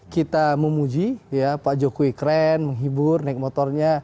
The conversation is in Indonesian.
kita memuji pak jokowi keren menghibur naik motornya